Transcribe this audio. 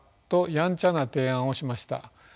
と「やんちゃ」な提案をしました。